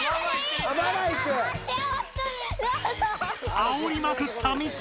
あおりまくったミツキ！